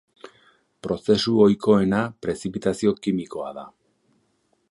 Prozesu ohikoena prezipitazio kimikoa da.